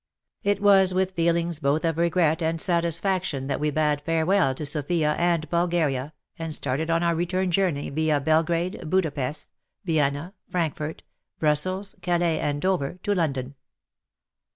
It was with feelings both of regret and satisfaction that we bade farewell to Sofia and Bulgaria, and started on our return journey via Belgrade, Buda Pesth, Vienna, Frankfort, Brussels, Calais and Dover, to London.